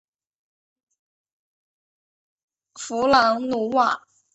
弗朗努瓦。